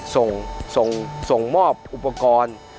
ส่งส่งมอบอุปกรณ์